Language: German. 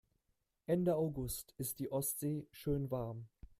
Ende August ist die Ostsee schön warm.